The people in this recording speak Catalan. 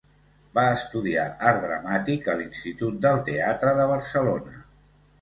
Va estudiar art dramàtic a l'Institut del Teatre de Barcelona.